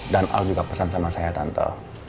dan al juga pesan sama saya tante